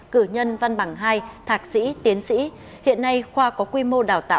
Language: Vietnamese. cũng là điều sai phạm